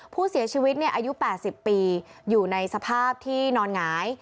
ผู้เสียชีวิตอายุ๘๐ปีอยู่ในสภาพที่นอนหงาย